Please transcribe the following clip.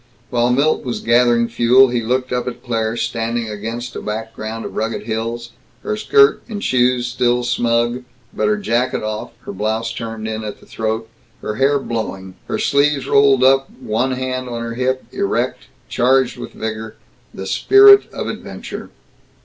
While Milt was gathering fuel he looked up at Claire standing against a background of rugged hills, her skirt and shoes still smug, but her jacket off, her blouse turned in at the throat, her hair blowing, her sleeves rolled up, one hand on her hip, erect, charged with vigor the spirit of adventure.